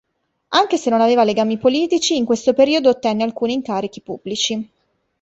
Anche se non aveva legami politici, in questo periodo ottenne alcuni incarichi pubblici.